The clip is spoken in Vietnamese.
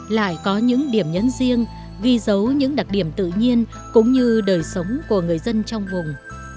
lại có những điểm nhấn riêng ghi dấu những đặc điểm tự nhiên cũng như đời sống của người dân trong vùng